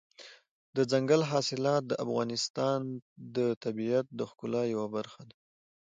دځنګل حاصلات د افغانستان د طبیعت د ښکلا یوه برخه ده.